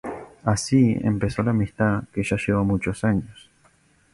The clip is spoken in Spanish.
Así empezó la amistad que ya lleva muchos años.